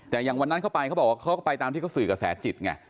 แต่อย่างวันนั้นเข้าไปเขาบอกว่าเขาก็ไปตามที่เขาสื่อกระแสจิตไง